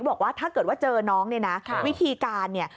บอกว่าถ้าเกิดว่าเจอน้องเนี่ยนะวิธีการเนี่ย